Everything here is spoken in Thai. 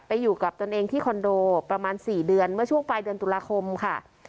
อยู่กับตนเองที่คอนโดประมาณ๔เดือนเมื่อช่วงปลายเดือนตุลาคมค่ะ